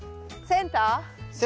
センター。